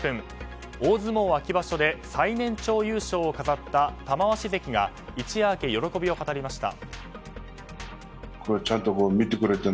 大相撲秋場所で最年長優勝を飾った玉鷲関が一夜明け、喜びを語りました。